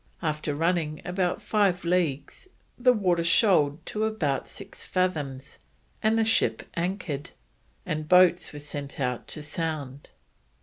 After running about 5 leagues the water shoaled to about 6 fathoms, and the ship anchored, and boats were sent out to sound.